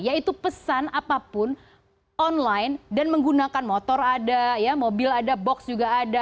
yaitu pesan apapun online dan menggunakan motor ada mobil ada box juga ada